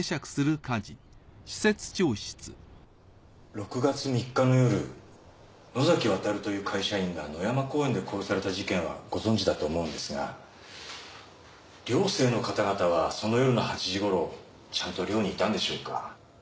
６月３日の夜能崎亘という会社員が野山公園で殺された事件はご存じだと思うんですが寮生の方々はその夜の８時頃ちゃんと寮にいたんでしょうか？